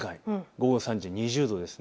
午後３時、２０度です。